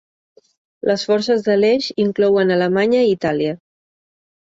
Les forces de l'Eix inclouen Alemanya i Itàlia.